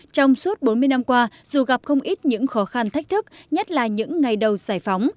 trong suốt bốn mươi năm qua dù gặp không ít những khó khăn thách thức nhất là những ngày đầu giải phóng